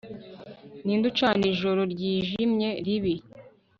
Ninde ucana ijoro ryijimye ribi